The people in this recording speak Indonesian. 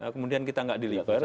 kemudian kita nggak deliver